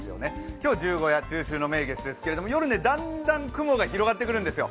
今日、十五夜、中秋の名月ですけれども夜、だんだん雲が広がってくるんですよ。